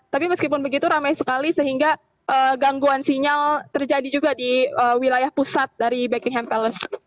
tapi meskipun begitu ramai sekali sehingga gangguan sinyal terjadi juga di wilayah pusat dari backingham palace